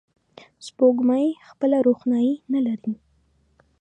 سپوږمۍ خپله روښنایي نه لري